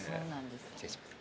失礼します。